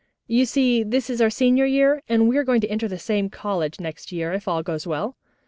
"You see this is our senior year, and we are going to enter the same college next year, if all goes well.